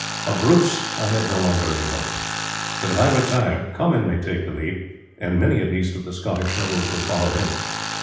Of Bruce I have no longer any hope; but if I retire Comyn may take the lead, and many at least of the Scottish nobles will follow him.